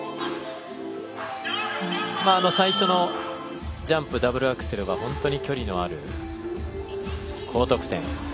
最初のジャンプダブルアクセルは本当に距離のある高得点。